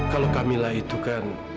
kalau camilla itu kan